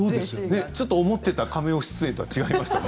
思っていたカメオ出演とは違いましたね。